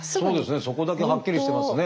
そこだけはっきりしてますね。